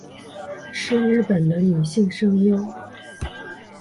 是日本的女性声优。